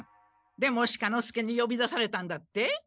出茂鹿之介によび出されたんだって？